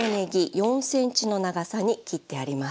４ｃｍの長さに切ってあります。